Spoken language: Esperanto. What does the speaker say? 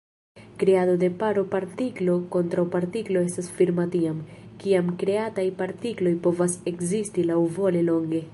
Kreado de paro partiklo-kontraŭpartiklo estas firma tiam, kiam kreataj partikloj povas ekzisti laŭvole longe.